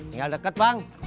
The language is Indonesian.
enggak deket bang